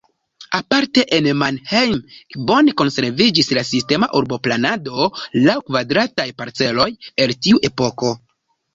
Aparte en Mannheim bone konserviĝis la sistema urboplanado laŭ kvadrataj parceloj el tiu epoko.